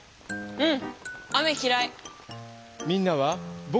うん。